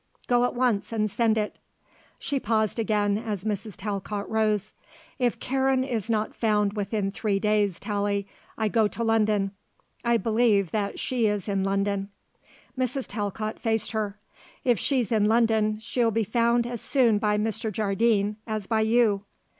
"Go at once and send it." She paused again as Mrs. Talcott rose. "If Karen is not found within three days, Tallie, I go to London. I believe that she is in London." Mrs. Talcott faced her. "If she's in London she'll be found as soon by Mr. Jardine as by you."